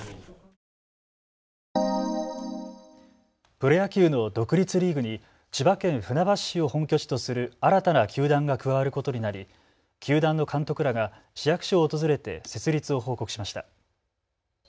プロ野球の独立リーグに千葉県船橋市を本拠地とする新たな球団が加わることになり球団の監督らが市役所を訪れて設立を報告しました。